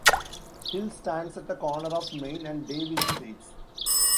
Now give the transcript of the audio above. Hill stands at the corner of Main and Davis streets.